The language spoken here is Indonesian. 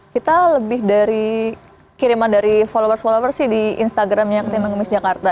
kita lebih dari kiriman dari followers followers sih di instagramnya ketimbang ngemis jakarta